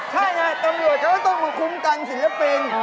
ใช่ไงตำรวจก็ต้องคุ้มกันหรือเปลี่ยง